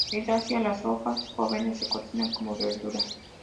En Asia, las hojas jóvenes se cocinan como verdura.